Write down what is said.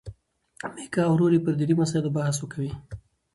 میکا او ورور یې پر دیني مسلو بحث کوي.